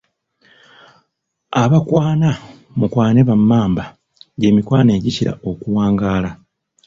Abakwana mukwane ba Mmamba Gye mikwano egikira okuwangaala.